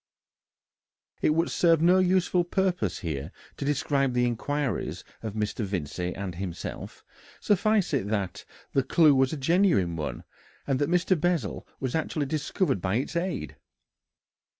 It would serve no useful purpose here to describe the inquiries of Mr. Vincey and himself; suffice it that the clue was a genuine one, and that Mr. Bessel was actually discovered by its aid.